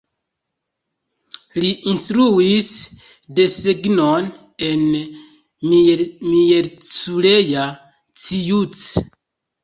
Li instruis desegnon en Miercurea Ciuc.